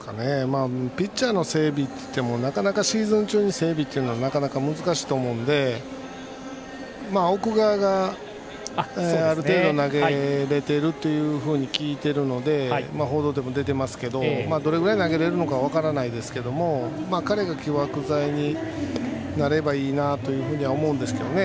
ピッチャーの整備もなかなかシーズン中に整備もなかなか難しいと思うので奥川が、ある程度投げれていると聞いているので報道でも出ていますけどどれぐらい投げられるのかは分からないですが彼が起爆剤になればいいなとは思うんですけどね。